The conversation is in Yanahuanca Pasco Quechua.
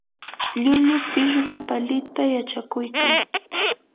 llullu pishqu palita yachakuykan.